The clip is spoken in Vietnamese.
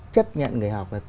chấp nhận người học